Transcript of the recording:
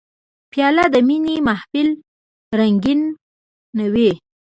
پیاله د مینې محفل رنګینوي.